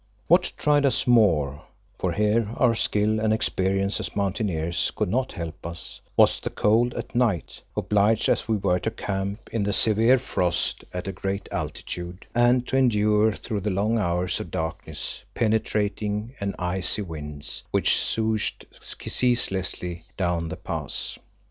What tried us more for here our skill and experience as mountaineers could not help us was the cold at night, obliged as we were to camp in the severe frost at a great altitude, and to endure through the long hours of darkness penetrating and icy winds, which soughed ceaselessly down the pass.